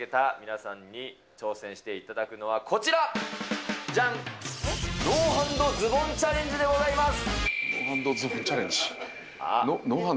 そんな秒速グルメをかけた皆さんに挑戦していただくのはこちら、じゃん、ノーハンドズボンチャレンジでございます。